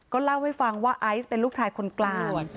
เล่าให้ฟังว่าไอซ์เป็นลูกชายคนกลาง